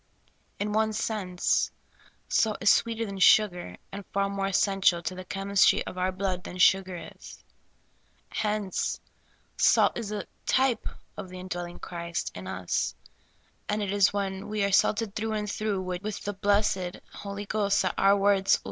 In one sense, salt is sweeter than sugar, and far more essential to the chemistry of our blood than sugar is. Hence, salt is a type of the indwelling Christ in us ; and it is when we are salted through and through with the blessed Holy Ghost that our words will